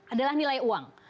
adalah nilai uang